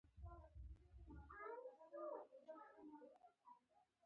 ماښام اذان ته لږ وخت پاتې و د ورځې پای و.